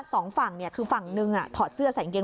ทองพูดได้ด้วย